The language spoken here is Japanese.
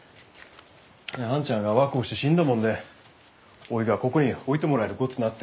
で兄ちゃんが若うして死んだもんでおいがここに置いてもらえるごつなって。